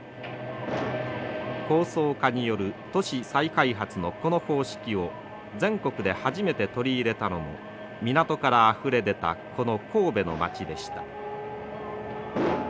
高層化による都市再開発のこの方式を全国で初めて取り入れたのも港からあふれ出たこの神戸の町でした。